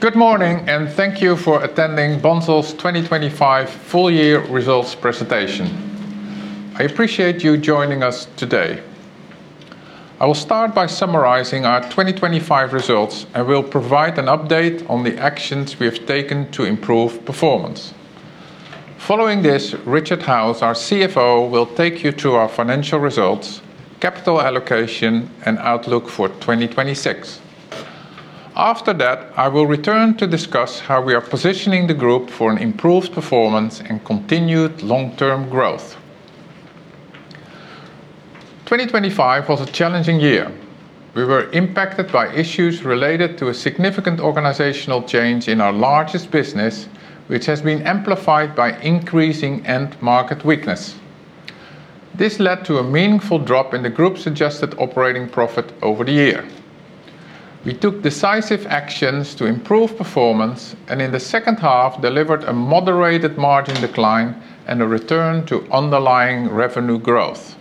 Good morning, and thank you for attending Bunzl's 2025 full year results presentation. I appreciate you joining us today. I will start by summarizing our 2025 results, and will provide an update on the actions we have taken to improve performance. Following this, Richard Howes, our CFO, will take you through our financial results, capital allocation, and outlook for 2026. After that, I will return to discuss how we are positioning the group for an improved performance and continued long-term growth. 2025 was a challenging year. We were impacted by issues related to a significant organizational change in our largest business, which has been amplified by increasing end market weakness. This led to a meaningful drop in the group's adjusted operating profit over the year. We took decisive actions to improve performance, and in the second half delivered a moderated margin decline and a return to underlying revenue growth.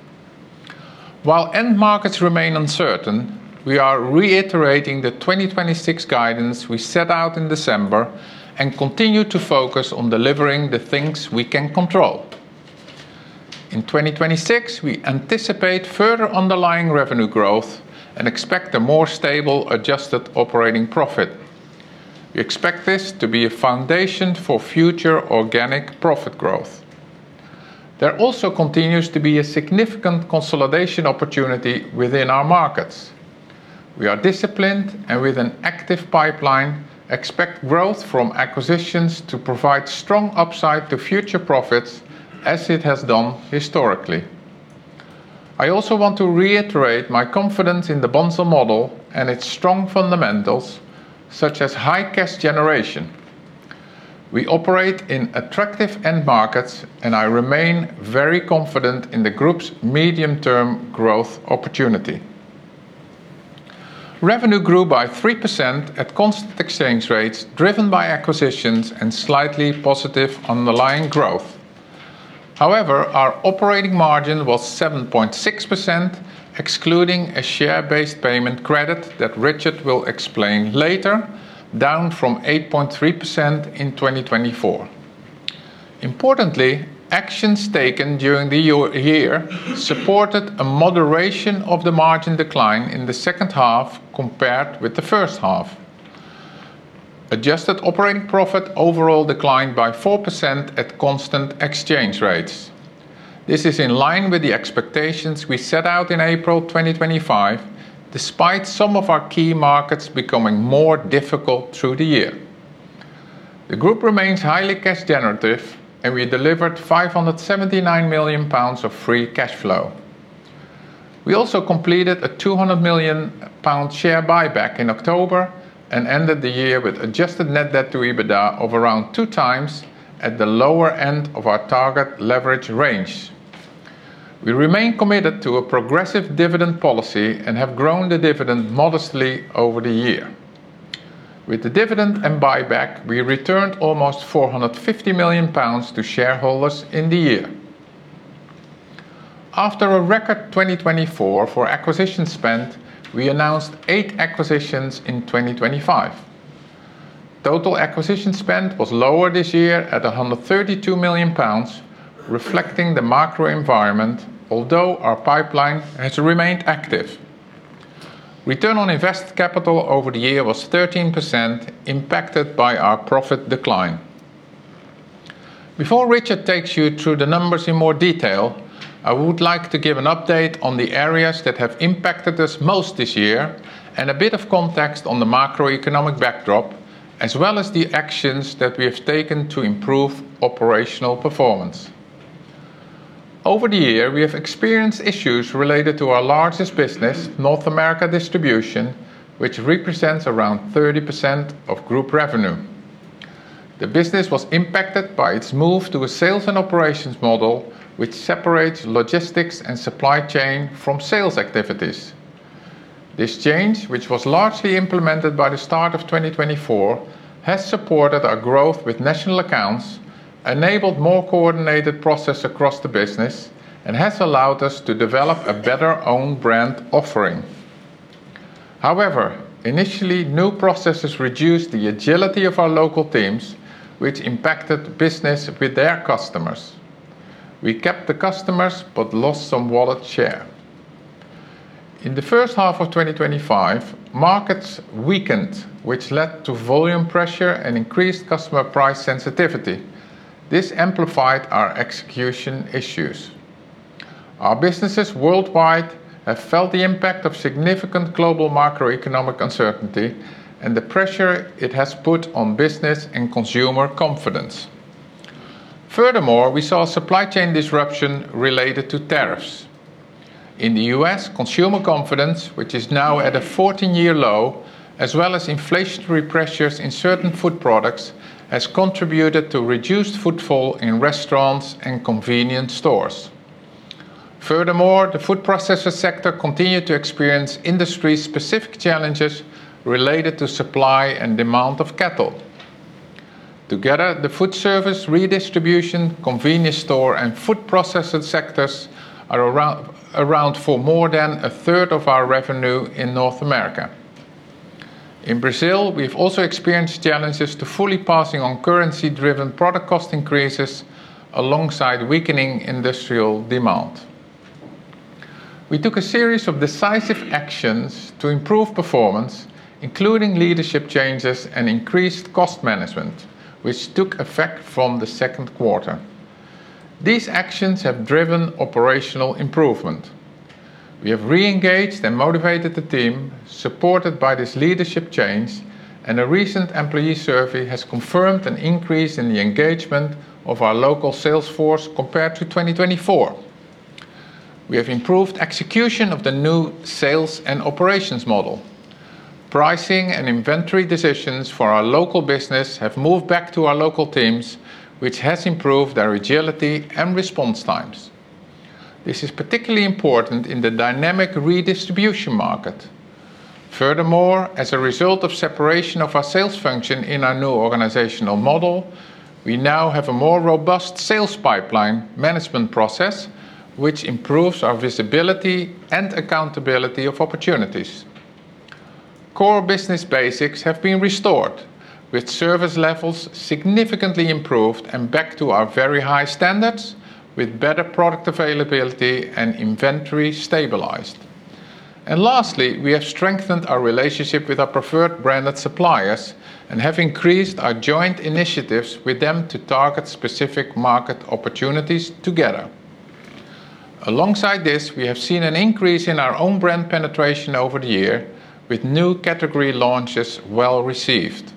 While end markets remain uncertain, we are reiterating the 2026 guidance we set out in December and continue to focus on delivering the things we can control. In 2026, we anticipate further underlying revenue growth and expect a more stable adjusted operating profit. We expect this to be a foundation for future organic profit growth. There also continues to be a significant consolidation opportunity within our markets. We are disciplined, and with an active pipeline, expect growth from acquisitions to provide strong upside to future profits as it has done historically. I also want to reiterate my confidence in the Bunzl model and its strong fundamentals, such as high cash generation. We operate in attractive end markets. I remain very confident in the group's medium term growth opportunity. Revenue grew by 3% at constant exchange rates driven by acquisitions and slightly positive underlying growth. Our operating margin was 7.6%, excluding a share-based payment credit that Richard will explain later, down from 8.3% in 2024. Importantly, actions taken during the year supported a moderation of the margin decline in the second half compared with the first half. Adjusted operating profit overall declined by 4% at constant exchange rates. This is in line with the expectations we set out in April 2025, despite some of our key markets becoming more difficult through the year. The group remains highly cash generative. We delivered 579 million pounds of free cash flow. We also completed a 200 million pound share buyback in October and ended the year with adjusted net debt to EBITDA of around 2x at the lower end of our target leverage range. We remain committed to a progressive dividend policy and have grown the dividend modestly over the year. With the dividend and buyback, we returned almost 450 million pounds to shareholders in the year. After a record 2024 for acquisition spend, we announced eight acquisitions in 2025. Total acquisition spend was lower this year at 132 million pounds, reflecting the macro environment, although our pipeline has remained active. Return on invested capital over the year was 13% impacted by our profit decline. Before Richard takes you through the numbers in more detail, I would like to give an update on the areas that have impacted us most this year and a bit of context on the macroeconomic backdrop, as well as the actions that we have taken to improve operational performance. Over the year, we have experienced issues related to our largest business, North America Distribution, which represents around 30% of group revenue. The business was impacted by its move to a sales and operations planning which separates logistics and supply chain from sales activities. This change, which was largely implemented by the start of 2024, has supported our growth with national accounts, enabled more coordinated process across the business, and has allowed us to develop a better own brand offering. However, initially, new processes reduced the agility of our local teams, which impacted business with their customers. We kept the customers, but lost some wallet share. In the first half of 2025, markets weakened, which led to volume pressure and increased customer price sensitivity. This amplified our execution issues. Our businesses worldwide have felt the impact of significant global macroeconomic uncertainty and the pressure it has put on business and consumer confidence. We saw supply chain disruption related to tariffs. In the U.S., consumer confidence, which is now at a 14-year low, as well as inflationary pressures in certain food products, has contributed to reduced footfall in restaurants and convenience stores. The food processor sector continued to experience industry-specific challenges related to supply and demand of cattle. Together, the food service redistribution, convenience store, and food processing sectors are around for more than 1/3 of our revenue in North America. In Brazil, we've also experienced challenges to fully passing on currency-driven product cost increases alongside weakening industrial demand. We took a series of decisive actions to improve performance, including leadership changes and increased cost management, which took effect from the second quarter. These actions have driven operational improvement. We have re-engaged and motivated the team, supported by this leadership change, and a recent employee survey has confirmed an increase in the engagement of our local sales force compared to 2024. We have improved execution of the new sales and operations model. Pricing and inventory decisions for our local business have moved back to our local teams, which has improved their agility and response times. This is particularly important in the dynamic redistribution market. Furthermore, as a result of separation of our sales function in our new organizational model, we now have a more robust sales pipeline management process, which improves our visibility and accountability of opportunities. Core business basics have been restored, with service levels significantly improved and back to our very high standards, with better product availability and inventory stabilized. Lastly, we have strengthened our relationship with our preferred branded suppliers and have increased our joint initiatives with them to target specific market opportunities together. Alongside this, we have seen an increase in our own brand penetration over the year, with new category launches well-received.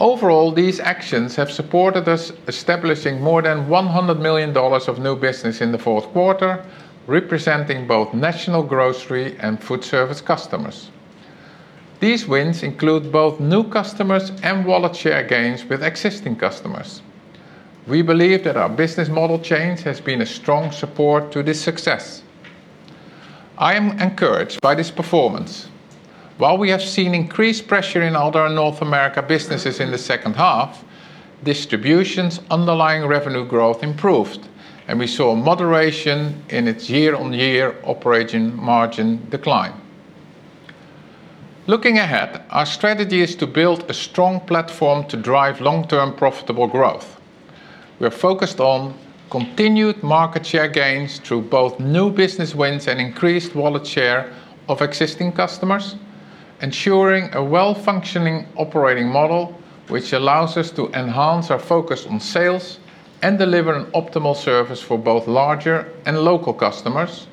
Overall, these actions have supported us establishing more than $100 million of new business in the fourth quarter, representing both national grocery and food service customers. These wins include both new customers and wallet share gains with existing customers. We believe that our business model change has been a strong support to this success. I am encouraged by this performance. While we have seen increased pressure in other North America businesses in the second half, Distribution's underlying revenue growth improved, and we saw moderation in its year-on-year operating margin decline. Looking ahead, our strategy is to build a strong platform to drive long-term profitable growth. We are focused on continued market share gains through both new business wins and increased wallet share of existing customers, ensuring a well-functioning operating model which allows us to enhance our focus on sales and deliver an optimal service for both larger and local customers,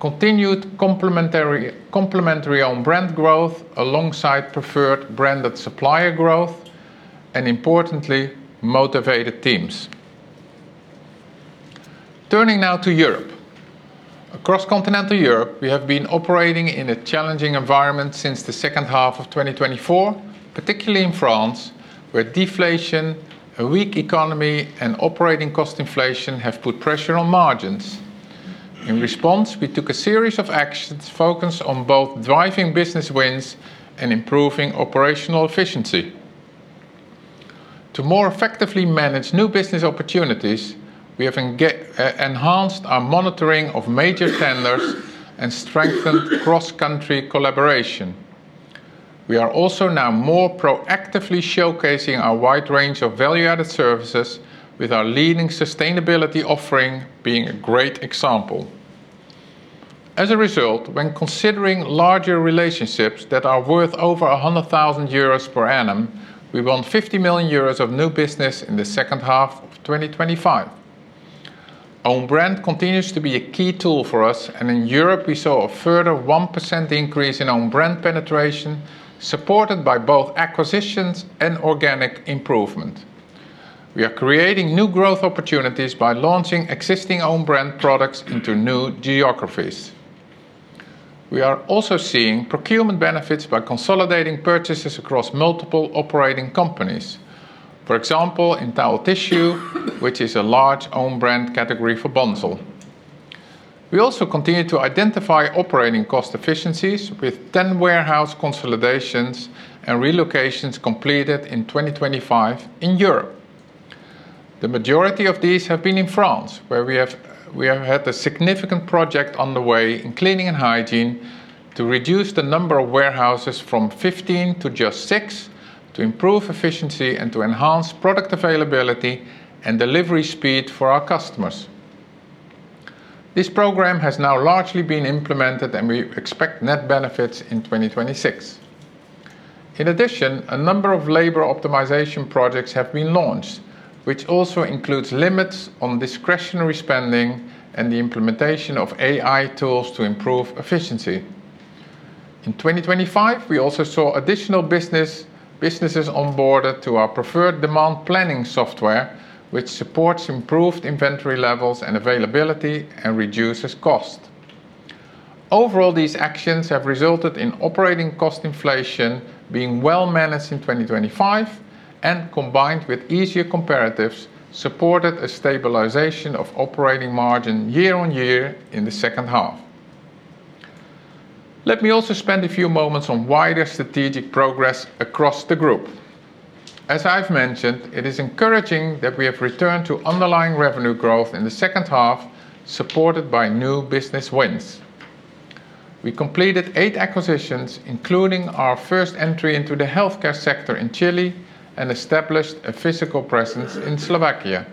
continued complementary own brand growth alongside preferred branded supplier growth, and importantly, motivated teams. Turning now to Europe. Across continental Europe, we have been operating in a challenging environment since the second half of 2024, particularly in France, where deflation, a weak economy, and operating cost inflation have put pressure on margins. In response, we took a series of actions focused on both driving business wins and improving operational efficiency. To more effectively manage new business opportunities, we have enhanced our monitoring of major tenders and strengthened cross-country collaboration. We are also now more proactively showcasing our wide range of value-added services, with our leading sustainability offering being a great example. As a result, when considering larger relationships that are worth over 100,000 euros per annum, we won 50 million euros of new business in the second half of 2025. Own brand continues to be a key tool for us. In Europe, we saw a further 1% increase in own brand penetration, supported by both acquisitions and organic improvement. We are creating new growth opportunities by launching existing own brand products into new geographies. We are also seeing procurement benefits by consolidating purchases across multiple operating companies, for example, in towel tissue, which is a large own brand category for Bunzl. We also continue to identify operating cost efficiencies with 10 warehouse consolidations and relocations completed in 2025 in Europe. The majority of these have been in France, where we have had a significant project on the way in cleaning and hygiene to reduce the number of warehouses from 15 to just 6 to improve efficiency and to enhance product availability and delivery speed for our customers. This program has now largely been implemented. We expect net benefits in 2026. In addition, a number of labor optimization projects have been launched, which also includes limits on discretionary spending and the implementation of AI tools to improve efficiency. In 2025, we also saw additional businesses onboarded to our preferred demand planning software, which supports improved inventory levels and availability and reduces cost. Overall, these actions have resulted in operating cost inflation being well managed in 2025 and, combined with easier comparatives, supported a stabilization of operating margin year-on-year in the second half. Let me also spend a few moments on wider strategic progress across the group. As I've mentioned, it is encouraging that we have returned to underlying revenue growth in the second half, supported by new business wins. We completed eight acquisitions, including our first entry into the healthcare sector in Chile, and established a physical presence in Slovakia.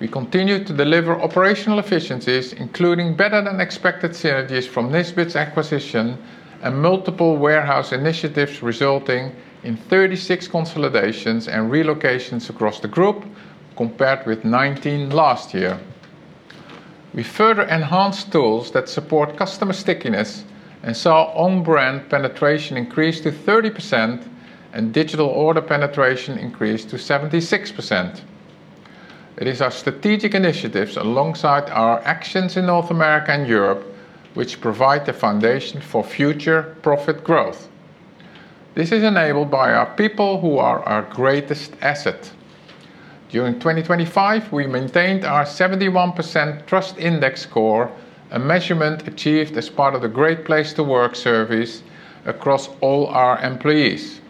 We continued to deliver operational efficiencies, including better than expected synergies from Nisbets acquisition and multiple warehouse initiatives, resulting in 36 consolidations and relocations across the group compared with 19 last year. We further enhanced tools that support customer stickiness and saw own brand penetration increase to 30% and digital order penetration increase to 76%. It is our strategic initiatives alongside our actions in North America and Europe which provide the foundation for future profit growth. This is enabled by our people who are our greatest asset. During 2025, we maintained our 71% Trust Index score, a measurement achieved as part of the Great Place to Work service across all our employees.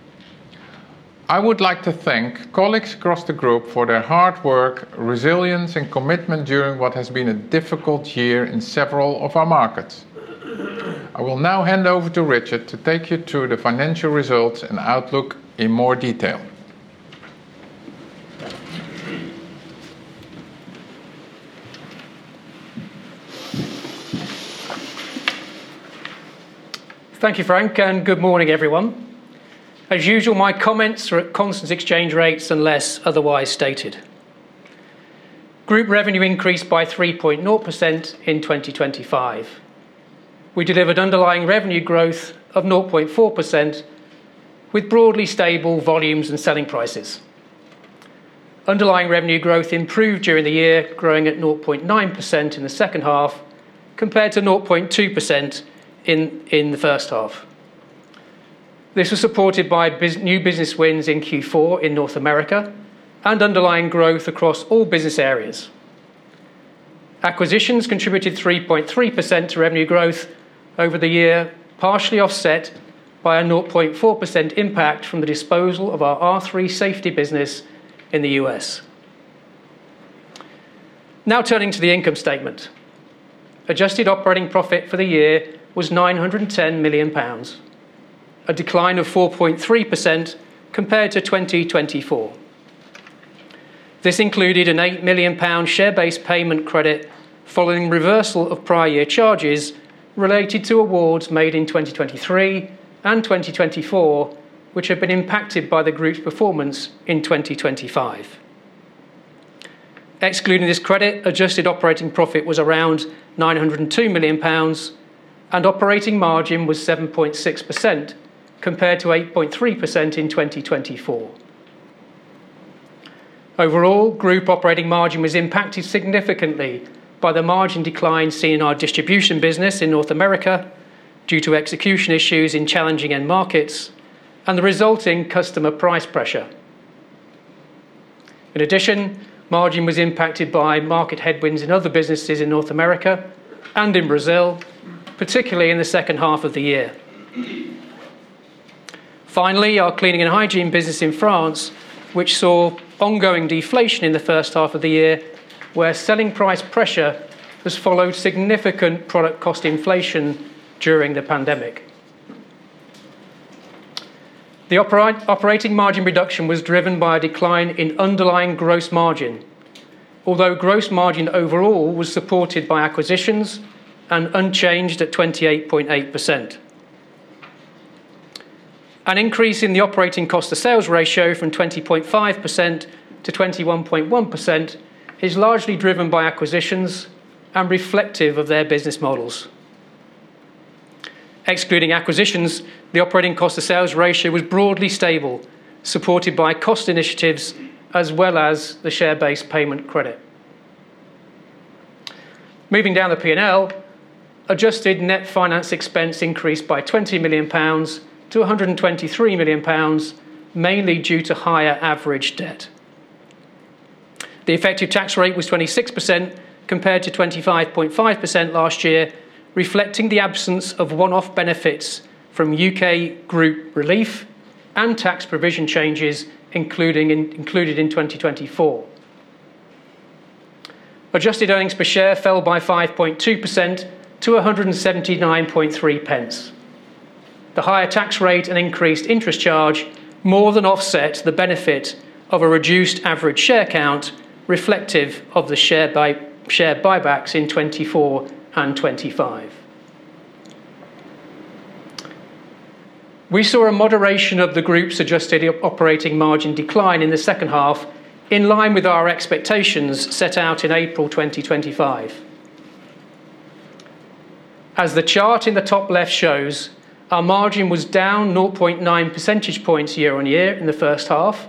I would like to thank colleagues across the group for their hard work, resilience, and commitment during what has been a difficult year in several of our markets. I will now hand over to Richard to take you through the financial results and outlook in more detail. Thank you, Frank, and good morning, everyone. As usual, my comments are at constant exchange rates unless otherwise stated. Group revenue increased by 3.0% in 2025. We delivered underlying revenue growth of 0.4% with broadly stable volumes and selling prices. Underlying revenue growth improved during the year, growing at 0.9% in the second half compared to 0.2% in the first half. This was supported by new business wins in Q4 in North America and underlying growth across all business areas. Acquisitions contributed 3.3% to revenue growth over the year, partially offset by a 0.4% impact from the disposal of our R3 Safety business in the U.S. Turning to the income statement. Adjusted operating profit for the year was 910 million pounds, a decline of 4.3% compared to 2024. This included a 8 million pound share-based payment credit following reversal of prior year charges related to awards made in 2023 and 2024, which had been impacted by the group's performance in 2025. Excluding this credit, adjusted operating profit was around 902 million pounds and operating margin was 7.6% compared to 8.3% in 2024. Overall, group operating margin was impacted significantly by the margin decline seen in our distribution business in North America due to execution issues in challenging end markets and the resulting customer price pressure. In addition, margin was impacted by market headwinds in other businesses in North America and in Brazil, particularly in the second half of the year. Finally, our cleaning and hygiene business in France, which saw ongoing deflation in the first half of the year, where selling price pressure has followed significant product cost inflation during the pandemic. The operating margin reduction was driven by a decline in underlying gross margin. Although gross margin overall was supported by acquisitions and unchanged at 28.8%. An increase in the operating cost to sales ratio from 20.5% to 21.1% is largely driven by acquisitions and reflective of their business models. Excluding acquisitions, the operating cost to sales ratio was broadly stable, supported by cost initiatives as well as the share-based payment credit. Moving down the P&L, adjusted net finance expense increased by 20 million pounds to 123 million pounds, mainly due to higher average debt. The effective tax rate was 26% compared to 25.5% last year, reflecting the absence of one-off benefits from U.K. group relief and tax provision changes included in 2024. Adjusted earnings per share fell by 5.2% to 1.793. The higher tax rate and increased interest charge more than offset the benefit of a reduced average share count reflective of the share buybacks in 2024 and 2025. We saw a moderation of the group's adjusted operating margin decline in the second half in line with our expectations set out in April 2025. As the chart in the top left shows, our margin was down 0.9 percentage points year-on-year in the first half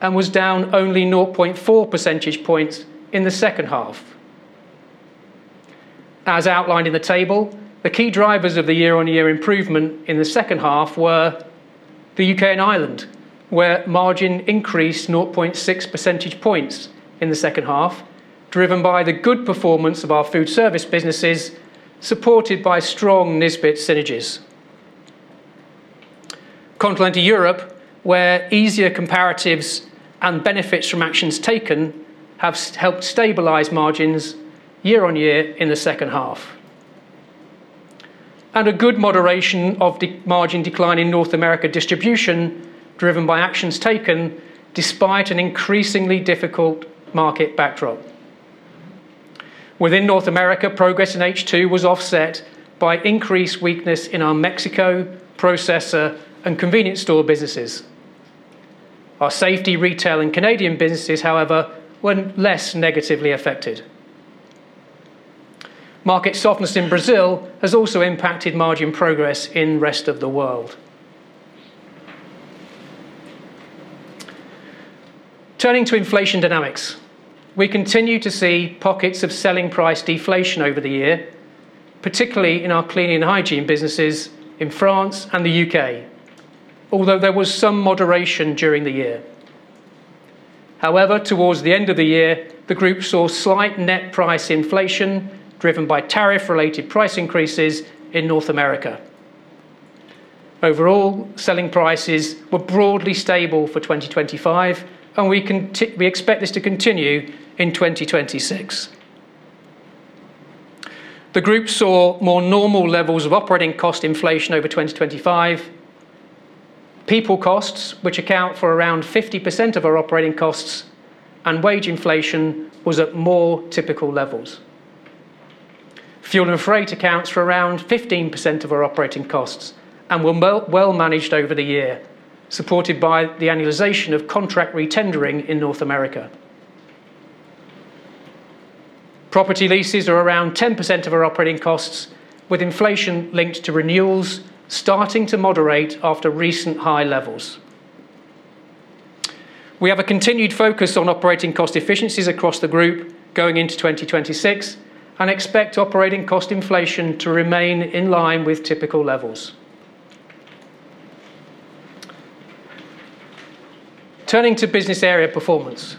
and was down only 0.4 percentage points in the second half. As outlined in the table, the key drivers of the year-on-year improvement in the second half were the U.K. and Ireland, where margin increased 0.6 percentage points in the second half, driven by the good performance of our food service businesses, supported by strong Nisbets synergies, Continental Europe, where easier comparatives and benefits from actions taken have helped stabilize margins year-on-year in the second half, and a good moderation of the margin decline in North America Distribution driven by actions taken despite an increasingly difficult market backdrop. Within North America, progress in H2 was offset by increased weakness in our Mexico processor and convenience store businesses. Our safety, retail, and Canadian businesses, however, were less negatively affected. Market softness in Brazil has also impacted margin progress in rest of the world. Turning to inflation dynamics. We continue to see pockets of selling price deflation over the year, particularly in our cleaning and hygiene businesses in France and the U.K., although there was some moderation during the year. However, towards the end of the year, the group saw slight net price inflation driven by tariff-related price increases in North America. Overall, selling prices were broadly stable for 2025, and we expect this to continue in 2026. The group saw more normal levels of operating cost inflation over 2025. People costs, which account for around 50% of our operating costs and wage inflation, was at more typical levels. Fuel and freight accounts for around 15% of our operating costs and were well managed over the year, supported by the annualization of contract re-tendering in North America. Property leases are around 10% of our operating costs, with inflation linked to renewals starting to moderate after recent high levels. We have a continued focus on operating cost efficiencies across the group going into 2026 and expect operating cost inflation to remain in line with typical levels. Turning to business area performance.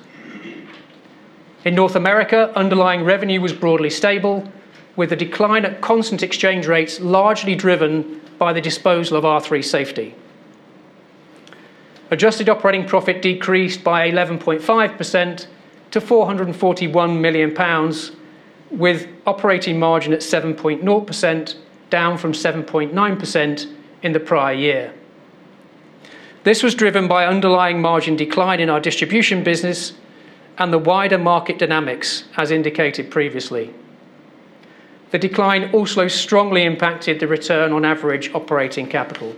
In North America, underlying revenue was broadly stable, with a decline at constant exchange rates largely driven by the disposal of R3 Safety. Adjusted operating profit decreased by 11.5% to 441 million pounds, with operating margin at 7.0%, down from 7.9% in the prior year. This was driven by underlying margin decline in our distribution business and the wider market dynamics as indicated previously. The decline also strongly impacted the return on average operating capital.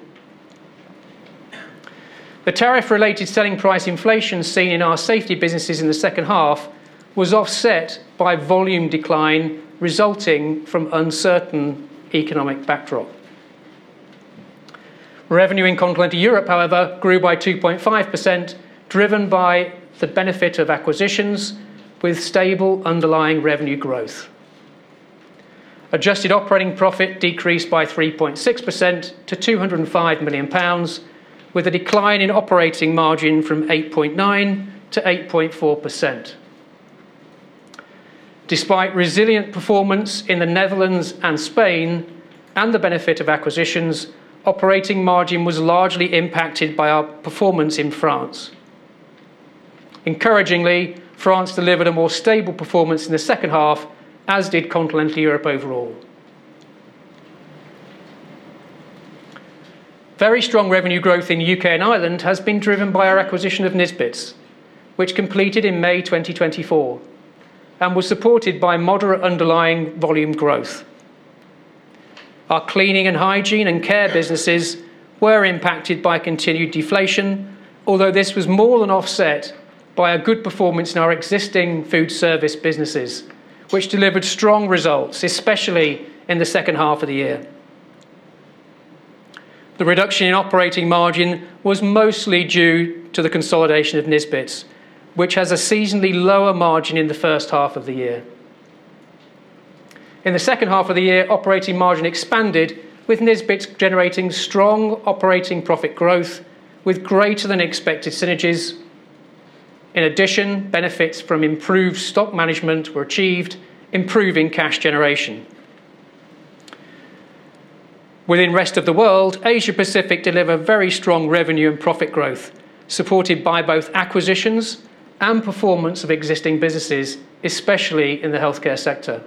The tariff-related selling price inflation seen in our safety businesses in the second half was offset by volume decline resulting from uncertain economic backdrop. Revenue in Continental Europe, however, grew by 2.5%, driven by the benefit of acquisitions with stable underlying revenue growth. Adjusted operating profit decreased by 3.6% to 205 million pounds, with a decline in operating margin from 8.9%-8.4%. Despite resilient performance in the Netherlands and Spain and the benefit of acquisitions, operating margin was largely impacted by our performance in France. Encouragingly, France delivered a more stable performance in the second half, as did Continental Europe overall. Very strong revenue growth in U.K. and Ireland has been driven by our acquisition of Nisbets, which completed in May 2024 and was supported by moderate underlying volume growth. Our cleaning and hygiene and care businesses were impacted by continued deflation, although this was more than offset by a good performance in our existing food service businesses, which delivered strong results, especially in the second half of the year. The reduction in operating margin was mostly due to the consolidation of Nisbets, which has a seasonally lower margin in the first half of the year. In the second half of the year, operating margin expanded with Nisbets generating strong operating profit growth with greater than expected synergies. In addition, benefits from improved stock management were achieved, improving cash generation. Within rest of the world, Asia Pacific deliver very strong revenue and profit growth, supported by both acquisitions and performance of existing businesses, especially in the healthcare sector.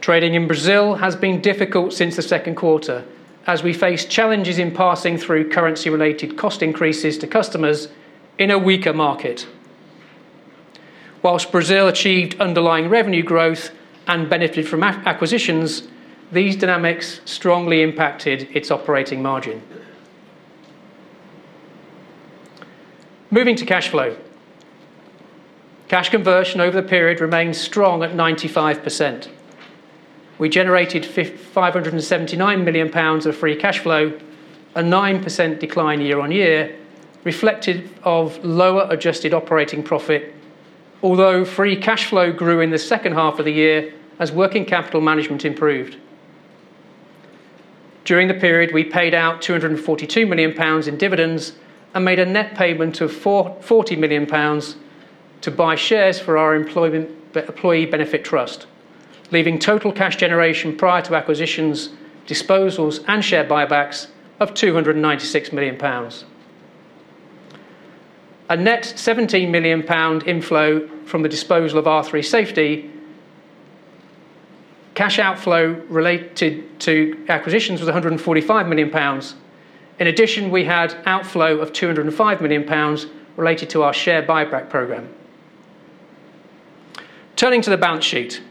Trading in Brazil has been difficult since the second quarter as we face challenges in passing through currency-related cost increases to customers in a weaker market. While Brazil achieved underlying revenue growth and benefited from acquisitions, these dynamics strongly impacted its operating margin. Moving to cash flow. Cash conversion over the period remained strong at 95%. We generated 579 million pounds of free cash flow, a 9% decline year-on-year, reflective of lower adjusted operating profit. Although free cash flow grew in the second half of the year as working capital management improved. During the period, we paid out 242 million pounds in dividends and made a net payment of 40 million pounds to buy shares for our employee benefit trust, leaving total cash generation prior to acquisitions, disposals, and share buybacks of 296 million pounds. A net 17 million pound inflow from the disposal of R3 Safety. Cash outflow related to acquisitions was 145 million pounds. In addition, we had outflow of 205 million pounds related to our share buyback program. Turning to the balance sheet,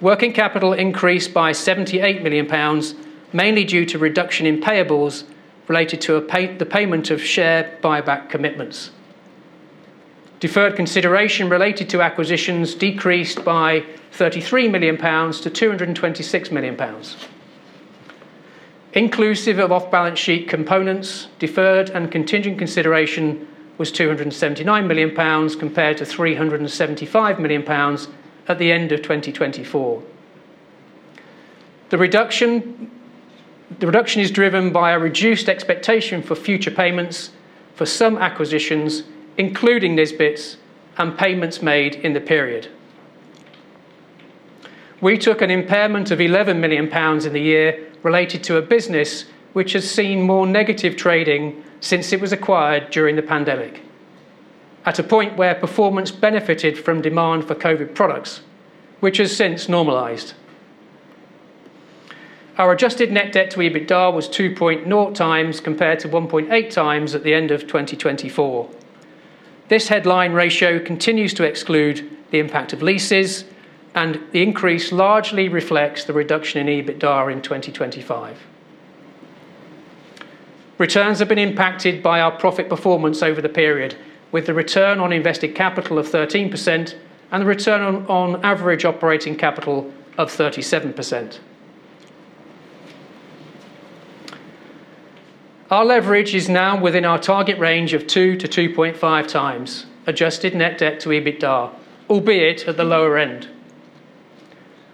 working capital increased by 78 million pounds, mainly due to reduction in payables related to the payment of share buyback commitments. Deferred consideration related to acquisitions decreased by 33 million pounds to 226 million pounds. Inclusive of off-balance-sheet components, deferred and contingent consideration was 279 million pounds compared to 375 million pounds at the end of 2024. The reduction is driven by a reduced expectation for future payments for some acquisitions, including Nisbets, and payments made in the period. We took an impairment of 11 million pounds in the year related to a business which has seen more negative trading since it was acquired during the pandemic, at a point where performance benefited from demand for COVID products, which has since normalized. Our adjusted net debt to EBITDA was 2.0x compared to 1.8 at the end of 2024. This headline ratio continues to exclude the impact of leases. The increase largely reflects the reduction in EBITDA in 2025. Returns have been impacted by our profit performance over the period, with the return on invested capital of 13% and the return on average operating capital of 37%. Our leverage is now within our target range of 2x-2.5x adjusted net debt to EBITDA, albeit at the lower end.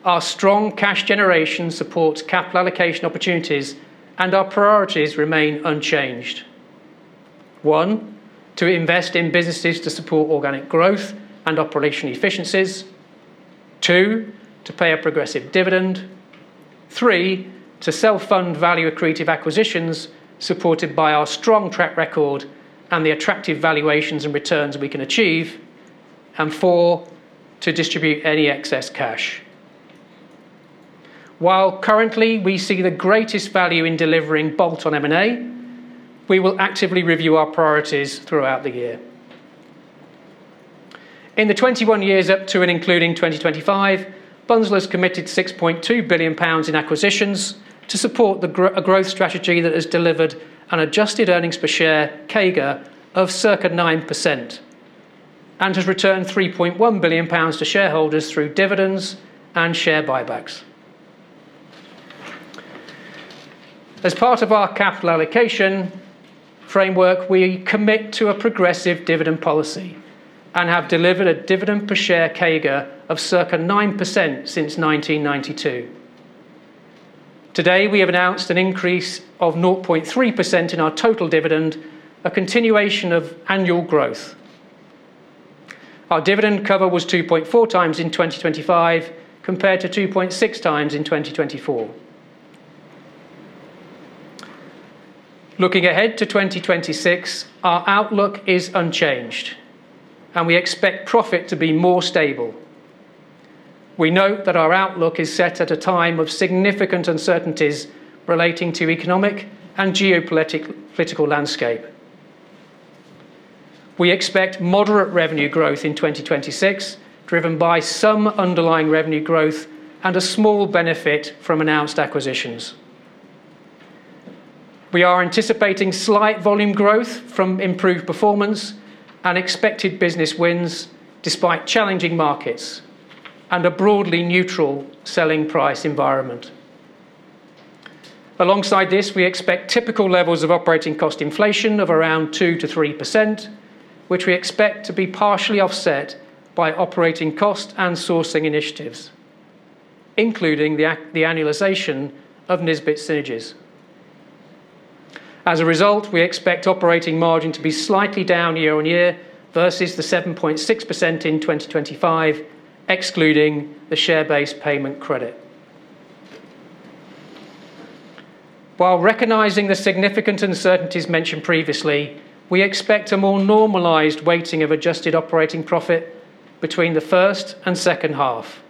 Our strong cash generation supports capital allocation opportunities. Our priorities remain unchanged. One, to invest in businesses to support organic growth and operational efficiencies. Two, to pay a progressive dividend. Three, to self-fund value-accretive acquisitions supported by our strong track record and the attractive valuations and returns we can achieve. Four, to distribute any excess cash. While currently we see the greatest value in delivering bolt-on M&A, we will actively review our priorities throughout the year. In the 21 years up to and including 2025, Bunzl has committed 6.2 billion pounds in acquisitions to support the growth strategy that has delivered an adjusted earnings per share CAGR of circa 9% and has returned 3.1 billion pounds to shareholders through dividends and share buybacks. As part of our capital allocation framework, we commit to a progressive dividend policy and have delivered a dividend per share CAGR of circa 9% since 1992. Today, we have announced an increase of 0.3% in our total dividend, a continuation of annual growth. Our dividend cover was 2.4x in 2025 compared to 2.6x in 2024. Looking ahead to 2026, our outlook is unchanged, and we expect profit to be more stable. We note that our outlook is set at a time of significant uncertainties relating to economic and geopolitical landscape. We expect moderate revenue growth in 2026, driven by some underlying revenue growth and a small benefit from announced acquisitions. We are anticipating slight volume growth from improved performance and expected business wins despite challenging markets and a broadly neutral selling price environment. Alongside this, we expect typical levels of operating cost inflation of around 2%-3%, which we expect to be partially offset by operating cost and sourcing initiatives, including the annualization of Nisbets synergies. As a result, we expect operating margin to be slightly down year-on-year versus the 7.6% in 2025, excluding the share-based payment credit. While recognizing the significant uncertainties mentioned previously, we expect a more normalized weighting of adjusted operating profit between the first and second half.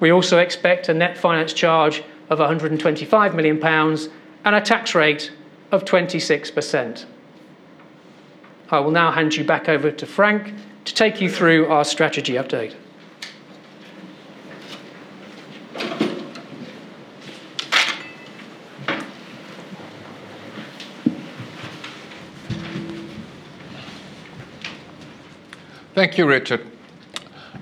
We also expect a net finance charge of 125 million pounds and a tax rate of 26%. I will now hand you back over to Frank to take you through our strategy update. Thank you, Richard.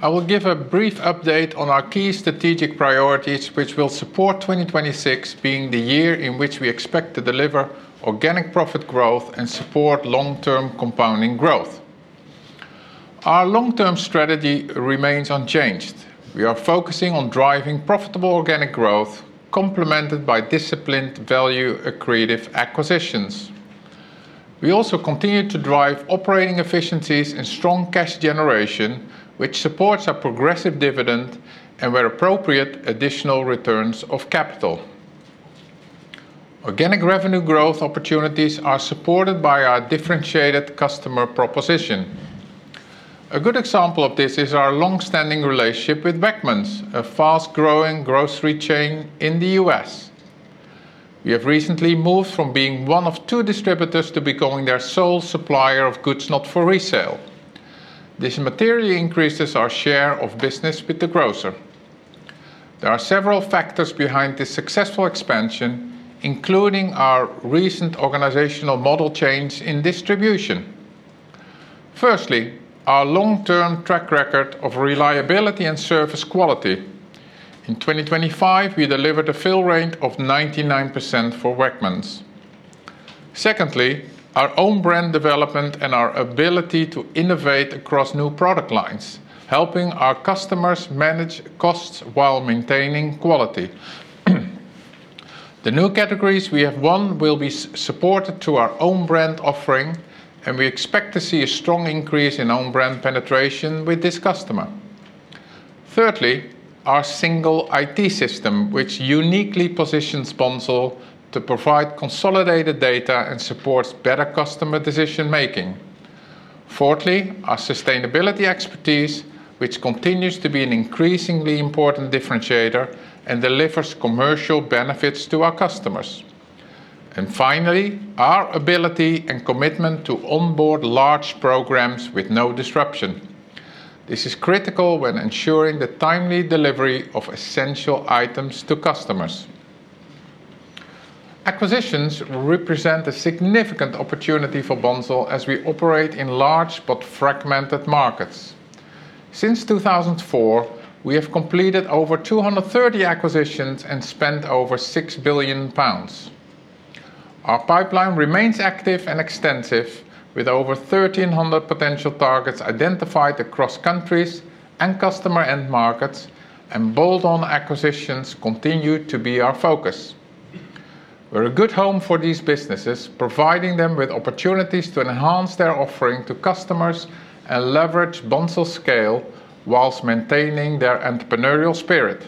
I will give a brief update on our key strategic priorities which will support 2026 being the year in which we expect to deliver organic profit growth and support long-term compounding growth. Our long-term strategy remains unchanged. We are focusing on driving profitable organic growth complemented by disciplined value accretive acquisitions. We also continue to drive operating efficiencies and strong cash generation, which supports our progressive dividend and where appropriate, additional returns of capital. Organic revenue growth opportunities are supported by our differentiated customer proposition. A good example of this is our long-standing relationship with Wegmans, a fast-growing grocery chain in the U.S. We have recently moved from being 1 of 2 distributors to becoming their sole supplier of goods not for resale. This materially increases our share of business with the grocer. There are several factors behind this successful expansion, including our recent organizational model change in distribution. Firstly, our long-term track record of reliability and service quality. In 2025, we delivered a fill rate of 99% for Wegmans. Secondly, our own brand development and our ability to innovate across new product lines, helping our customers manage costs while maintaining quality. The new categories we have won will be supported to our own brand offering, and we expect to see a strong increase in own brand penetration with this customer. Thirdly, our single IT system, which uniquely positions Bunzl to provide consolidated data and supports better customer decision making. Fourthly, our sustainability expertise, which continues to be an increasingly important differentiator and delivers commercial benefits to our customers. Finally, our ability and commitment to onboard large programs with no disruption. This is critical when ensuring the timely delivery of essential items to customers. Acquisitions represent a significant opportunity for Bunzl as we operate in large but fragmented markets. Since 2004, we have completed over 230 acquisitions and spent over 6 billion pounds. Our pipeline remains active and extensive with over 1,300 potential targets identified across countries and customer end markets, and bolt-on acquisitions continue to be our focus. We're a good home for these businesses, providing them with opportunities to enhance their offering to customers and leverage Bunzl's scale while maintaining their entrepreneurial spirit.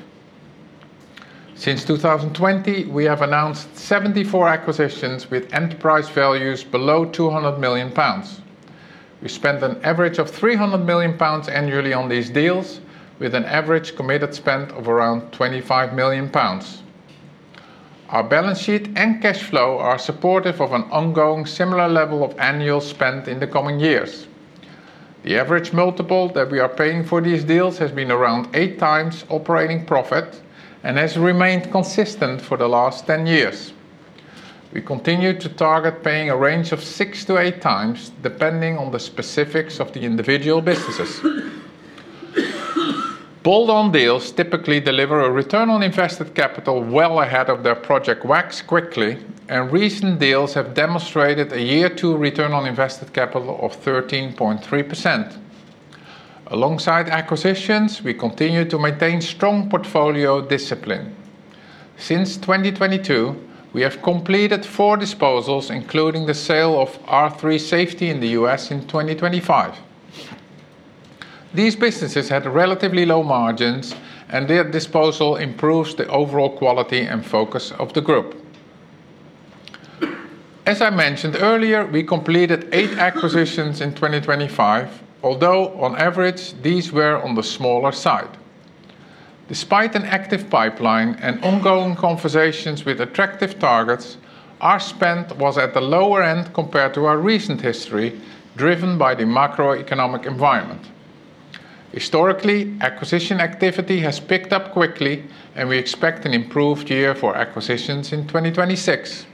Since 2020, we have announced 74 acquisitions with enterprise values below 200 million pounds. We spent an average of 300 million pounds annually on these deals, with an average committed spend of around 25 million pounds. Our balance sheet and cash flow are supportive of an ongoing similar level of annual spend in the coming years. The average multiple that we are paying for these deals has been around 8x operating profit and has remained consistent for the last 10 years. We continue to target paying a range of 6x-8x, depending on the specifics of the individual businesses. Bolt-on deals typically deliver a return on invested capital well ahead of their project WACs quickly. Recent deals have demonstrated a year two return on invested capital of 13.3%. Alongside acquisitions, we continue to maintain strong portfolio discipline. Since 2022, we have completed four disposals, including the sale of R3 Safety in the U.S. in 2025. These businesses had relatively low margins. Their disposal improves the overall quality and focus of the group. As I mentioned earlier, we completed eight acquisitions in 2025, although on average, these were on the smaller side. Despite an active pipeline and ongoing conversations with attractive targets, our spend was at the lower end compared to our recent history, driven by the macroeconomic environment. Historically, acquisition activity has picked up quickly, and we expect an improved year for acquisitions in 2026.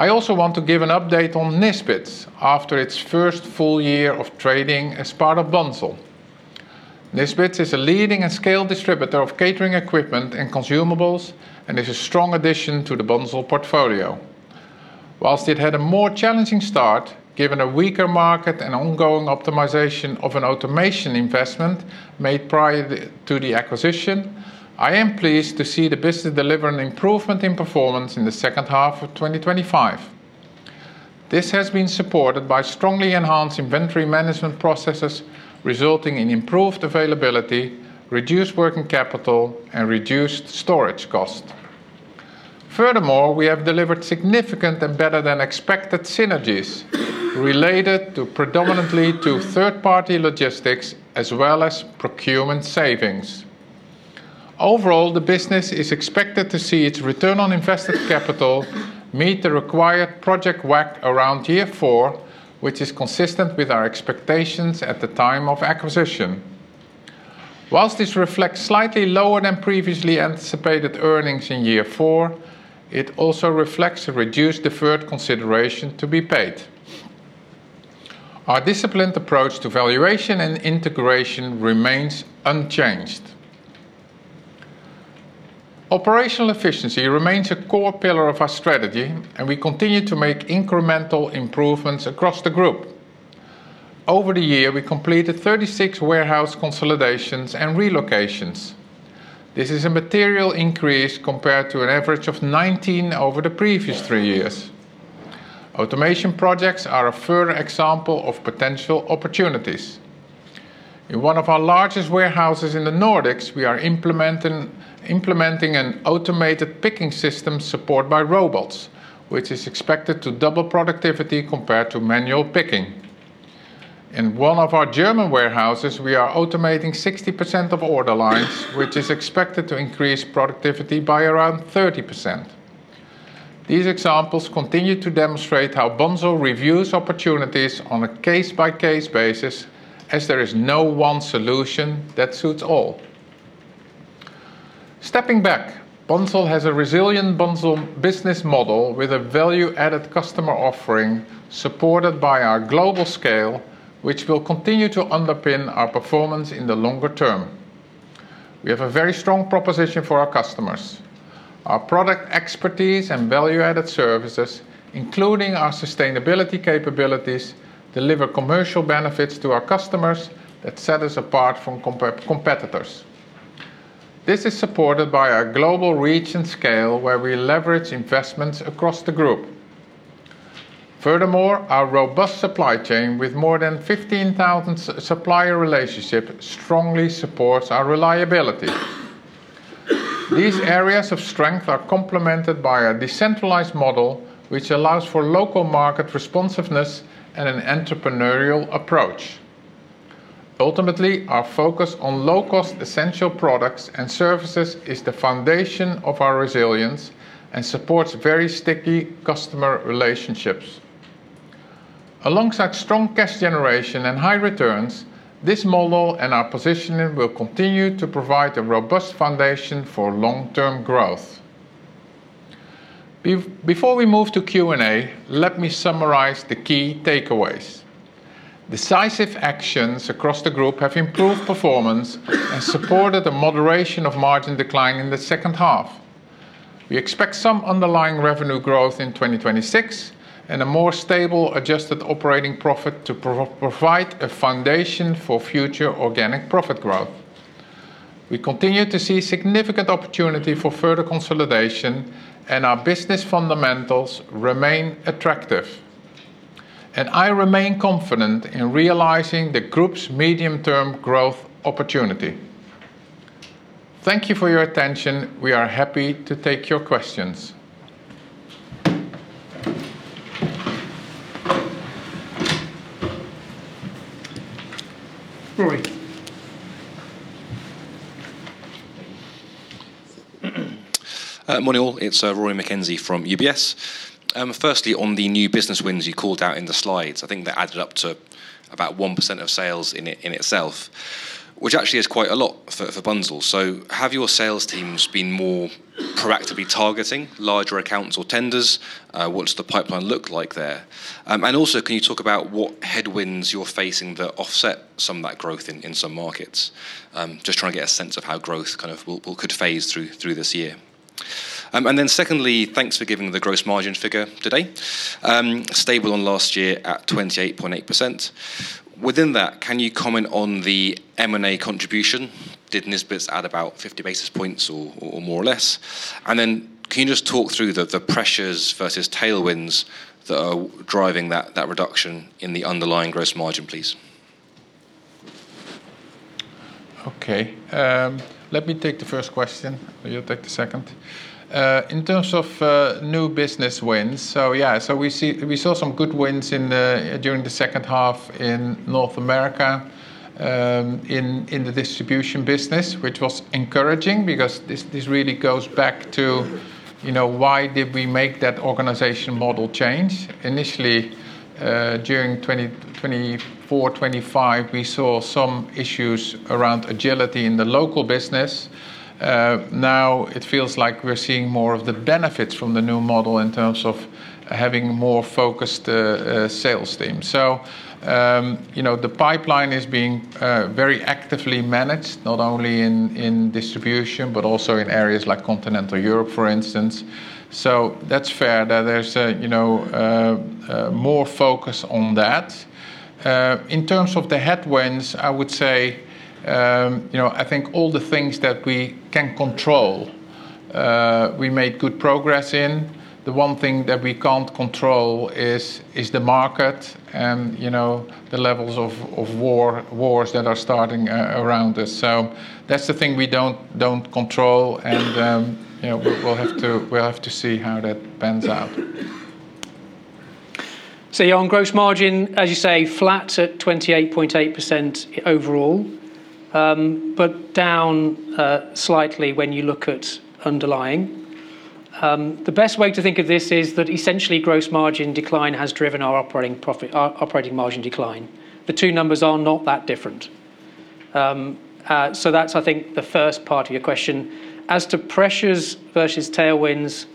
I also want to give an update on Nisbets after its first full year of trading as part of Bunzl. Nisbets is a leading and scaled distributor of catering equipment and consumables and is a strong addition to the Bunzl portfolio. Whilst it had a more challenging start, given a weaker market and ongoing optimization of an automation investment made to the acquisition, I am pleased to see the business deliver an improvement in performance in the second half of 2025. This has been supported by strongly enhanced inventory management processes, resulting in improved availability, reduced working capital, and reduced storage cost. We have delivered significant and better than expected synergies related predominantly to third-party logistics as well as procurement savings. The business is expected to see its return on invested capital meet the required project WAC around year four, which is consistent with our expectations at the time of acquisition. This reflects slightly lower than previously anticipated earnings in year four, it also reflects a reduced deferred consideration to be paid. Our disciplined approach to valuation and integration remains unchanged. Operational efficiency remains a core pillar of our strategy, and we continue to make incremental improvements across the group. Over the year, we completed 36 warehouse consolidations and relocations. This is a material increase compared to an average of 19 over the previous three years. Automation projects are a further example of potential opportunities. In one of our largest warehouses in the Nordics, we are implementing an automated picking system supported by robots, which is expected to double productivity compared to manual picking. In one of our German warehouses, we are automating 60% of order lines, which is expected to increase productivity by around 30%. These examples continue to demonstrate how Bunzl reviews opportunities on a case-by-case basis, as there is no one solution that suits all. Stepping back, Bunzl has a resilient business model with a value-added customer offering, supported by our global scale, which will continue to underpin our performance in the longer term. We have a very strong proposition for our customers. Our product expertise and value-added services, including our sustainability capabilities, deliver commercial benefits to our customers that set us apart from competitors. This is supported by our global reach and scale, where we leverage investments across the group. Our robust supply chain with more than 15,000 supplier relationships strongly supports our reliability. These areas of strength are complemented by a decentralized model, which allows for local market responsiveness and an entrepreneurial approach. Ultimately, our focus on low-cost essential products and services is the foundation of our resilience and supports very sticky customer relationships. Alongside strong cash generation and high returns, this model and our positioning will continue to provide a robust foundation for long-term growth. Before we move to Q&A, let me summarize the key takeaways. Decisive actions across the group have improved performance and supported a moderation of margin decline in the second half. We expect some underlying revenue growth in 2026, and a more stable adjusted operating profit to provide a foundation for future organic profit growth. We continue to see significant opportunity for further consolidation, and our business fundamentals remain attractive. I remain confident in realizing the group's medium-term growth opportunity. Thank you for your attention. We are happy to take your questions. Rory? Morning, all. It's Rory Mckenzie from UBS. Firstly, on the new business wins you called out in the slides, I think that added up to about 1% of sales in itself, which actually is quite a lot for Bunzl. Have your sales teams been more proactively targeting larger accounts or tenders? What does the pipeline look like there? Also, can you talk about what headwinds you're facing that offset some of that growth in some markets? Just trying to get a sense of how growth kind of will could phase through this year. Then secondly, thanks for giving the gross margin figure today. Stable on last year at 28.8%. Within that, can you comment on the M&A contribution? Did Nisbets add about 50 basis points or more or less? Can you just talk through the pressures versus tailwinds that are driving that reduction in the underlying gross margin, please? Okay. Let me take the first question, and you take the second. In terms of new business wins, we saw some good wins during the second half in North America, in the distribution business, which was encouraging because this really goes back to, you know, why did we make that organization model change? Initially, during 2024, 2025, we saw some issues around agility in the local business. Now it feels like we're seeing more of the benefits from the new model in terms of having more focused sales teams. You know, the pipeline is being very actively managed, not only in distribution, but also in areas like Continental Europe, for instance. That's fair that there's a, you know, more focus on that. In terms of the headwinds, I would say, you know, I think all the things that we can control, we made good progress in. The one thing that we can't control is the market and, you know, the levels of wars that are starting around us. That's the thing we don't control and, you know, we'll have to see how that pans out. Jan, gross margin, as you say, flat at 28.8% overall, but down slightly when you look at underlying. The best way to think of this is that essentially gross margin decline has driven our operating profit, our operating margin decline. The two numbers are not that different. That's, I think, the first part of your question. As to pressures versus tailwinds,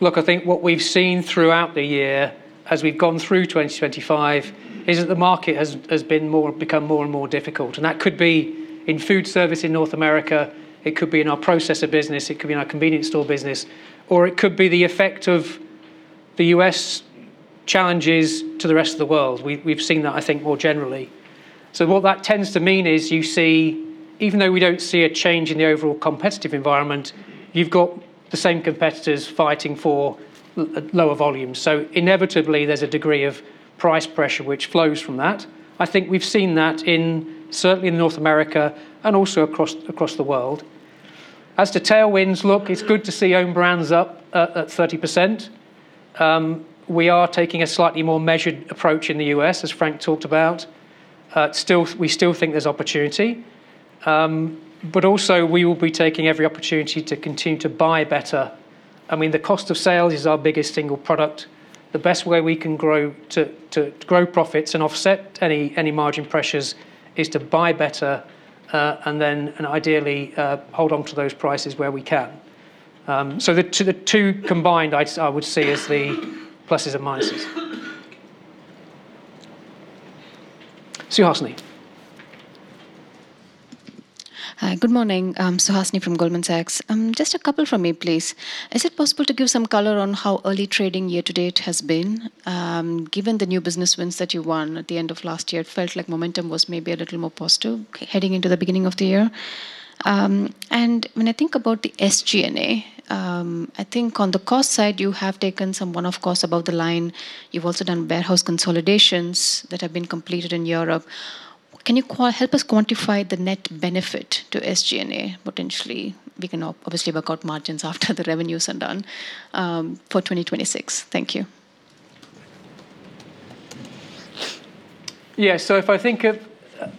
look, I think what we've seen throughout the year as we've gone through 2025 is that the market has become more and more difficult. That could be in food service in North America, it could be in our processor business, it could be in our convenience store business, or it could be the effect of the U.S. challenges to the rest of the world. We've seen that, I think, more generally. What that tends to mean is even though we don't see a change in the overall competitive environment, you've got the same competitors fighting for lower volumes. Inevitably, there's a degree of price pressure which flows from that. I think we've seen that in, certainly in North America and also across the world. As to tailwinds, look, it's good to see own brands up at 30%. We are taking a slightly more measured approach in the U.S., as Frank talked about. We still think there's opportunity. We will be taking every opportunity to continue to buy better. I mean, the cost of sales is our biggest single product. The best way we can grow to grow profits and offset any margin pressures is to buy better, and then, and ideally, hold on to those prices where we can. The two combined, I would say is the pluses and minuses. Suhasini. Hi. Good morning. I'm Suhasini from Goldman Sachs. Just a couple from me, please. Is it possible to give some color on how early trading year to date has been? Given the new business wins that you won at the end of last year, it felt like momentum was maybe a little more positive heading into the beginning of the year. When I think about the SG&A, I think on the cost side, you have taken some one-off costs above the line. You've also done warehouse consolidations that have been completed in Europe. Can you help us quantify the net benefit to SG&A? Potentially, we can obviously work out margins after the revenues are done for 2026. Thank you. Yeah. If I think of.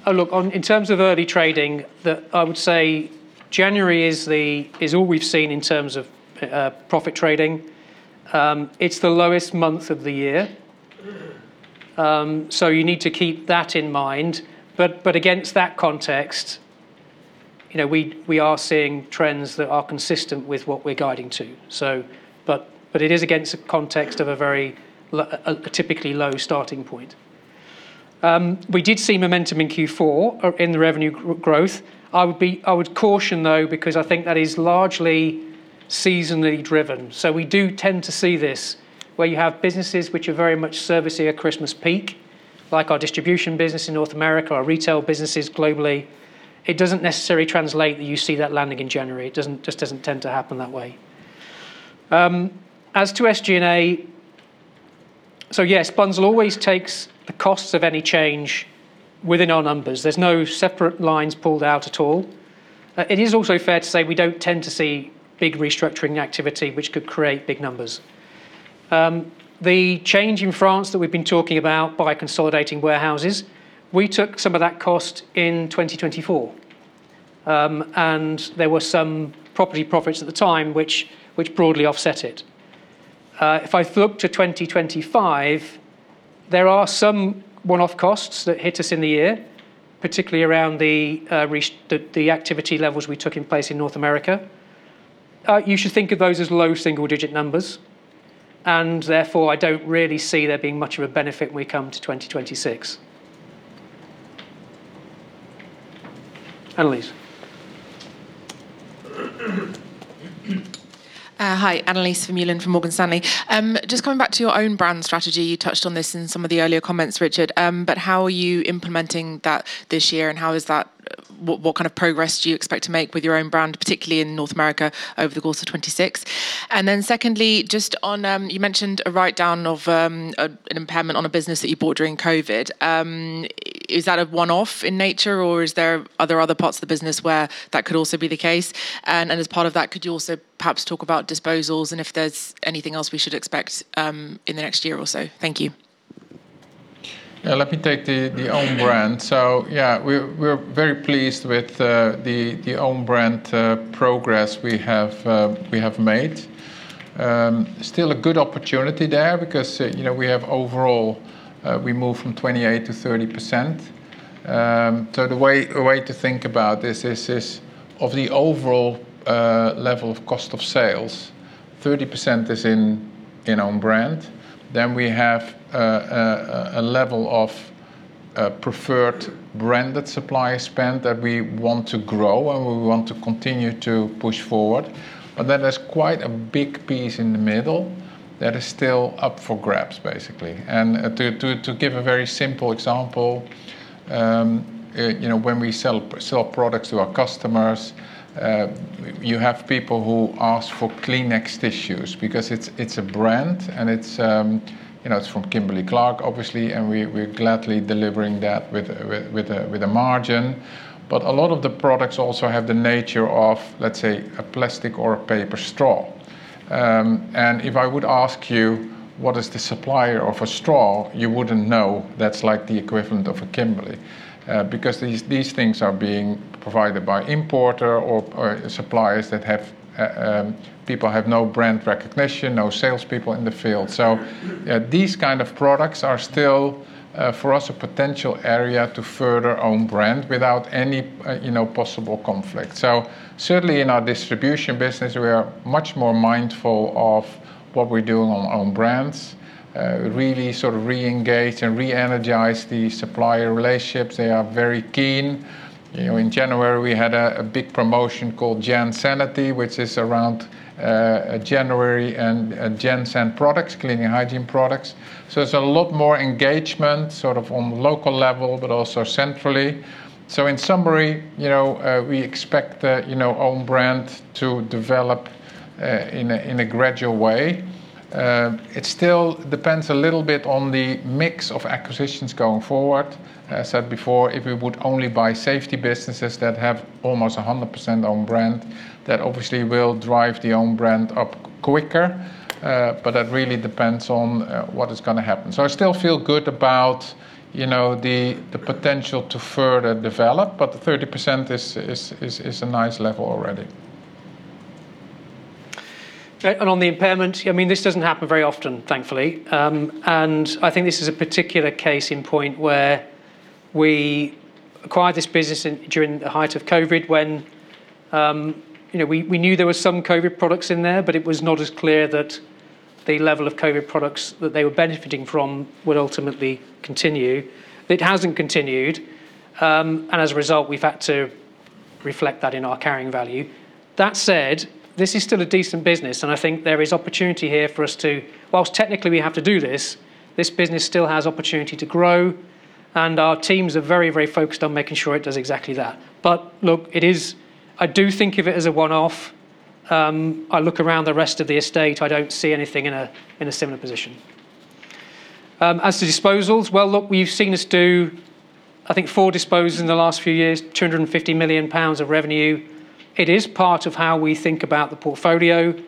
Oh, look, in terms of early trading, I would say January is all we've seen in terms of profit trading. It's the lowest month of the year. You need to keep that in mind. Against that context, you know, we are seeing trends that are consistent with what we're guiding to. It is against a context of a very typically low starting point. We did see momentum in Q4 in the revenue growth. I would caution, though, because I think that is largely seasonally driven. We do tend to see this where you have businesses which are very much servicing a Christmas peak, like our distribution business in North America, our retail businesses globally. It doesn't necessarily translate that you see that landing in January. It just doesn't tend to happen that way. As to SG&A, yes, Bunzl always takes the costs of any change within our numbers. There's no separate lines pulled out at all. It is also fair to say we don't tend to see big restructuring activity which could create big numbers. The change in France that we've been talking about by consolidating warehouses, we took some of that cost in 2024. There were some property profits at the time which broadly offset it. If I flip to 2025, there are some one-off costs that hit us in the year, particularly around the activity levels we took in place in North America. You should think of those as low single digit numbers, and therefore, I don't really see there being much of a benefit when we come to 2026. Annelise? Hi. Annelies Vermeulen from Morgan Stanley. Just coming back to your own brand strategy. You touched on this in some of the earlier comments, Richard. How are you implementing that this year, what kind of progress do you expect to make with your own brand, particularly in North America over the course of 2026? Secondly, just on, you mentioned a write down of an impairment on a business that you bought during COVID. Is that a one-off in nature or is there other parts of the business where that could also be the case? As part of that, could you also perhaps talk about disposals and if there's anything else we should expect in the next year or so? Thank you. Let me take the own brand. Yeah, we're very pleased with the own brand progress we have made. Still a good opportunity there because, you know, we have overall, we moved from 28% to 30%. The way to think about this is of the overall level of cost of sales, 30% is in own brand. We have a level of preferred branded supplier spend that we want to grow and we want to continue to push forward. There's quite a big piece in the middle that is still up for grabs, basically. To give a very simple example, you know, when we sell products to our customers, you have people who ask for Kleenex tissues because it's a brand and it's, you know, it's from Kimberly-Clark, obviously, and we're gladly delivering that with a margin. A lot of the products also have the nature of, let's say, a plastic or a paper straw. If I would ask you, what is the supplier of a straw? You wouldn't know that's like the equivalent of a Kimberly. Because these things are being provided by importer or suppliers that have, people have no brand recognition, no salespeople in the field. These kind of products are still for us, a potential area to further own brand without any, you know, possible conflict. Certainly in our distribution business, we are much more mindful of what we're doing on brands, really sort of re-engage and re-energize the supplier relationships. They are very keen. You know, in January, we had a big promotion called JanSanity, which is around January and JanSan products, cleaning hygiene products. There's a lot more engagement, sort of on local level, but also centrally. In summary, we expect own brand to develop in a gradual way. It still depends a little bit on the mix of acquisitions going forward. I said before, if we would only buy safety businesses that have almost 100% own brand, that obviously will drive the own brand up quicker, but that really depends on what is gonna happen. I still feel good about, you know, the potential to further develop, but the 30% is a nice level already. On the impairment, I mean, this doesn't happen very often, thankfully. I think this is a particular case in point where we acquired this business in, during the height of COVID when, you know, we knew there was some COVID products in there, but it was not as clear that the level of COVID products that they were benefiting from would ultimately continue. It hasn't continued. As a result, we've had to reflect that in our carrying value. That said, this is still a decent business, I think there is opportunity here for us to, while technically we have to do this business still has opportunity to grow, our teams are very, very focused on making sure it does exactly that. Look, it is. I do think of it as a one-off. I look around the rest of the estate, I don't see anything in a similar position. As to disposals, well, look, you've seen us do, I think four dispos in the last few years, 250 million pounds of revenue. It is part of how we think about the portfolio. You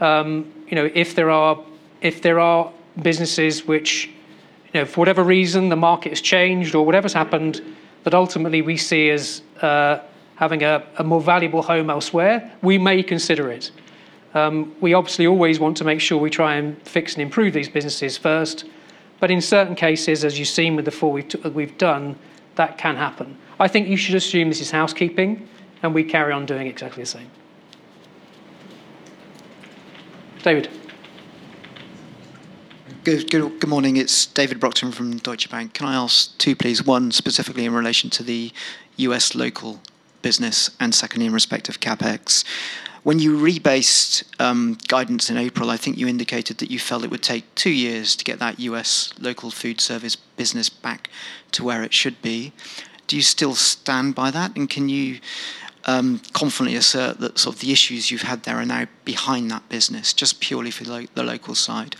know, if there are, if there are businesses which, you know, for whatever reason the market has changed or whatever's happened that ultimately we see as having a more valuable home elsewhere, we may consider it. We obviously always want to make sure we try and fix and improve these businesses first. In certain cases, as you've seen with the four we've done, that can happen. I think you should assume this is housekeeping, and we carry on doing exactly the same. David? Good morning. It's David Brockton from Deutsche Bank. Can I ask two, please? One, specifically in relation to the U.S. local business, and two, in respect of CapEx. When you rebased guidance in April, I think you indicated that you felt it would take two years to get that U.S. local food service business back to where it should be. Do you still stand by that? Can you confidently assert that sort of the issues you've had there are now behind that business, just purely for the local side?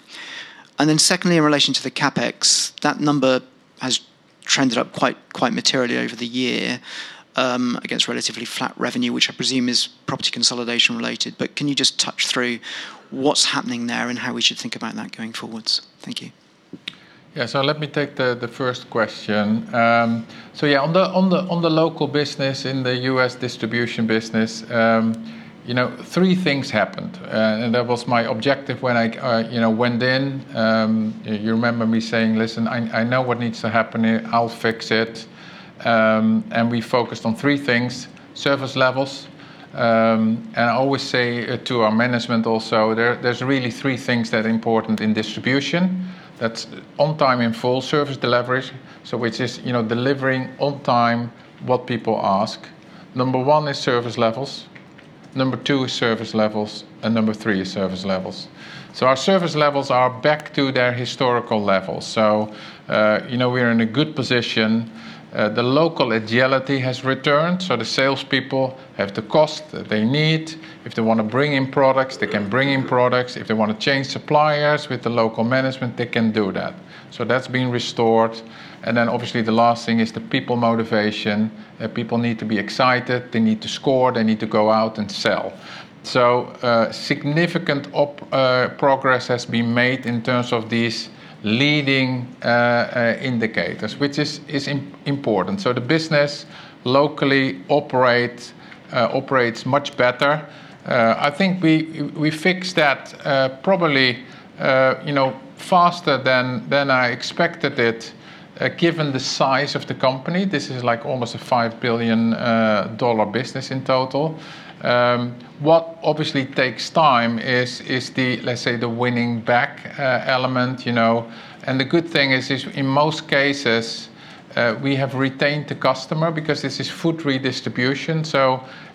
Secondly, in relation to the CapEx, that number has trended up quite materially over the year against relatively flat revenue, which I presume is property consolidation related. Can you just touch through what's happening there and how we should think about that going forwards? Thank you. Yeah. Let me take the first question. Yeah, on the local business, in the U.S. distribution business, you know, three things happened. That was my objective when I, you know, went in. You remember me saying, "Listen, I know what needs to happen here. I'll fix it." We focused on three things, service levels. I always say to our management also, there's really three things that are important in distribution. That's on time and full service delivery. Which is, you know, delivering on time what people ask. Number one is service levels. Number two is service levels, and number three is service levels. Our service levels are back to their historical levels. You know, we are in a good position. The local agility has returned. The sales people have the cost that they need. If they wanna bring in products, they can bring in products. If they wanna change suppliers with the local management, they can do that. That's been restored. Obviously, the last thing is the people motivation. People need to be excited, they need to score, they need to go out and sell. Significant progress has been made in terms of these leading indicators, which is important. The business locally operates much better. I think we fixed that, probably, you know, faster than I expected it, given the size of the company. This is like almost a $5 billion business in total. What obviously takes time is the, let's say, the winning back element, you know. The good thing is in most cases, we have retained the customer because this is food redistribution.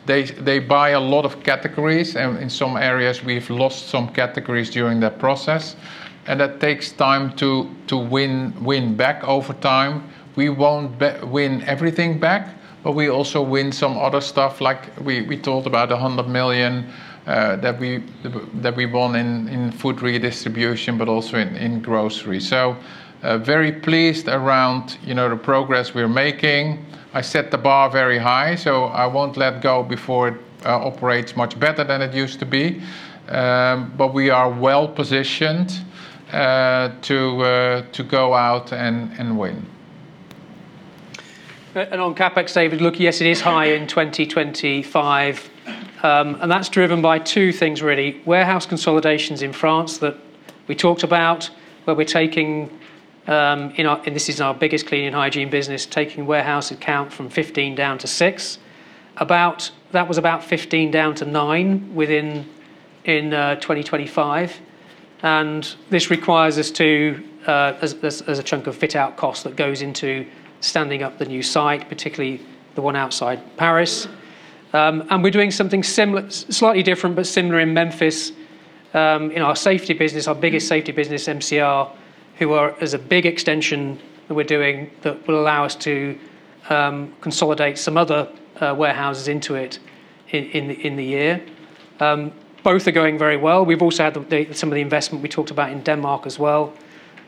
They buy a lot of categories. In some areas, we've lost some categories during that process, and that takes time to win back over time. We won't win everything back, but we also win some other stuff. Like we talked about $100 million that we won in food redistribution, but also in grocery. Very pleased around, you know, the progress we're making. I set the bar very high, so I won't let go before it operates much better than it used to be. We are well-positioned to go out and win. On CapEx, David, look, yes, it is high in 2025. That's driven by two things, really. Warehouse consolidations in France that we talked about, where we're taking, this is our biggest cleaning hygiene business, taking warehouse account from 15 down to 6. That was about 15 down to 9 within 2025. This requires us to as a chunk of fit-out cost that goes into standing up the new site, particularly the one outside Paris. We're doing something similar, slightly different, but similar in Memphis, in our safety business, our biggest safety business, MCR, has a big extension that we're doing that will allow us to consolidate some other warehouses into it in the year. Both are going very well. We've also had the some of the investment we talked about in Denmark as well.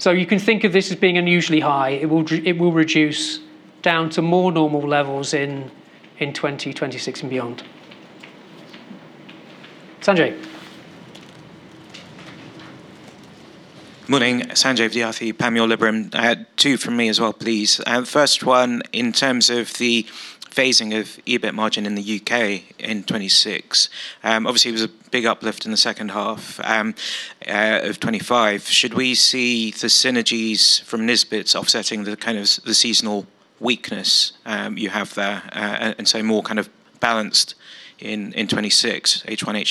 You can think of this as being unusually high. It will reduce down to more normal levels in 2026 and beyond. Sanjay? Morning. Sanjay Vidyarthi, Panmure Liberum. I had two from me as well, please. First one, in terms of the phasing of EBIT margin in the U.K. in 2026, obviously, it was a big uplift in the second half of 2025. Should we see the synergies from Nisbets offsetting the kind of the seasonal weakness you have there, and so more kind of balanced in 2026, H1,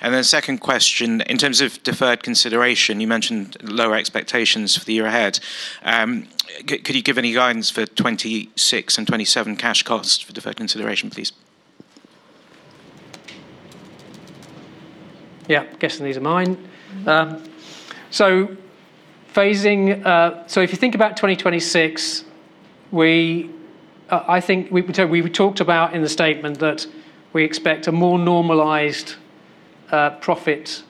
H2? Second question, in terms of deferred consideration, you mentioned lower expectations for the year ahead. Could you give any guidance for 2026 and 2027 cash costs for deferred consideration, please? Yeah. Guessing these are mine. phasing, if you think about 2026, we, I think we talked about in the statement that we expect a more normalized, profit,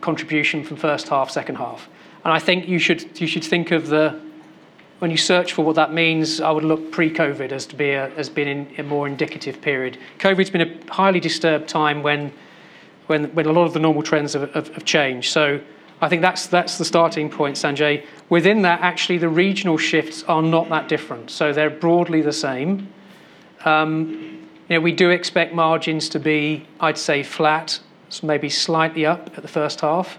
contribution from first half, second half. I think you should think of when you search for what that means, I would look pre-COVID as being a more indicative period. COVID's been a highly disturbed time when a lot of the normal trends have changed. I think that's the starting point, Sanjay. Within that, actually, the regional shifts are not that different. They're broadly the same. you know, we do expect margins to be, I'd say, flat, maybe slightly up at the first half,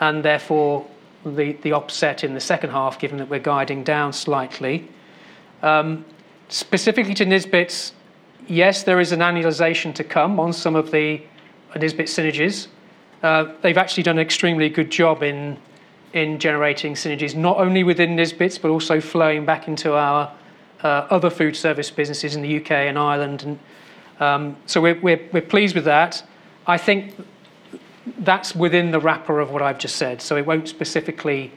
and therefore the offset in the second half, given that we're guiding down slightly. Specifically to Nisbets, yes, there is an annualization to come on some of the Nisbets synergies. They've actually done an extremely good job in generating synergies, not only within Nisbets, but also flowing back into our other food service businesses in the U.K. and Ireland. We're pleased with that. I think that's within the wrapper of what I've just said. It won't specifically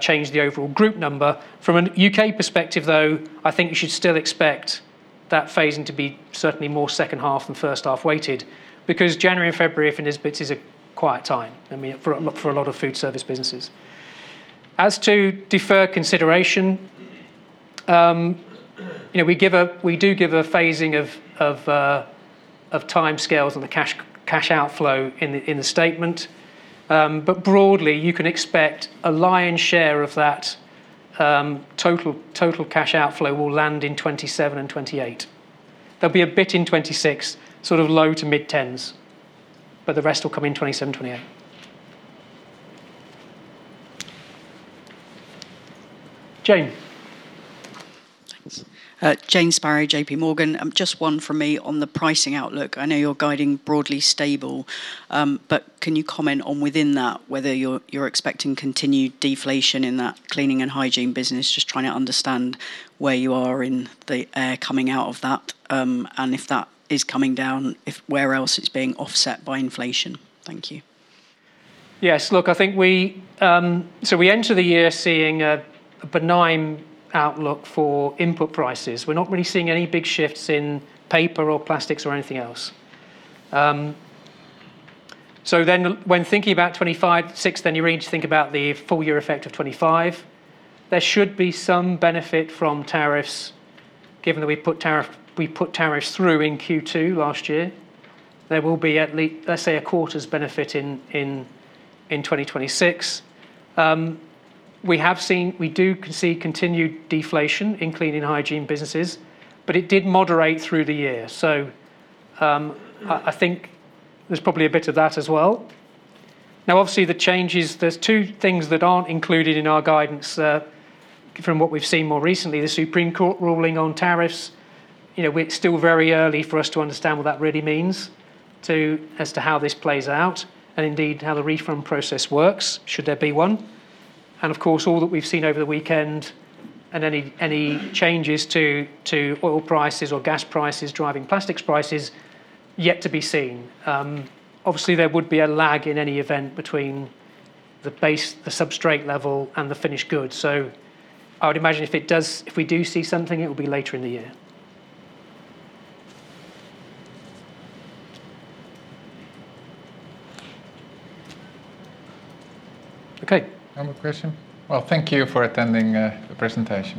change the overall group number. From a U.K. perspective, though, I think you should still expect that phasing to be certainly more second half and first half weighted because January and February for Nisbets is a quiet time. I mean, for a lot of food service businesses. As to deferred consideration, you know, we do give a phasing of timescales on the cash outflow in the statement. Broadly, you can expect a lion's share of that total cash outflow will land in 2027 and 2028. There'll be a bit in 2026, sort of low to mid-tens, but the rest will come in 2027, 2028. Jane? Thanks. Jane Sparrow, JPMorgan. Just one from me on the pricing outlook. I know you're guiding broadly stable, can you comment on within that whether you're expecting continued deflation in that cleaning and hygiene business? Just trying to understand where you are in the coming out of that, if that is coming down, if where else it's being offset by inflation. Thank you. Look, I think we enter the year seeing a benign outlook for input prices. We're not really seeing any big shifts in paper or plastics or anything else. When thinking about 2025, 2026, then you really need to think about the full year effect of 2025. There should be some benefit from tariffs, given that we put tariffs through in Q2 last year. There will be at least, let's say, a quarter's benefit in 2026. We do see continued deflation in cleaning hygiene businesses, but it did moderate through the year. I think there's probably a bit of that as well. Now, obviously, the changes, there's two things that aren't included in our guidance from what we've seen more recently, the Supreme Court ruling on tariffs. You know, it's still very early for us to understand what that really means to, as to how this plays out, and indeed, how the refund process works, should there be one. Of course, all that we've seen over the weekend and any changes to oil prices or gas prices driving plastics prices yet to be seen. Obviously, there would be a lag in any event between the base, the substrate level and the finished goods. I would imagine if we do see something, it will be later in the year. Okay. One more question? Well, thank you for attending the presentation.